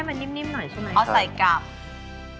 ให้มันนิ่มหน่อยใช่ไหม